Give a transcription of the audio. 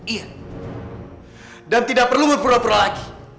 iya dan tidak perlu berpura pura lagi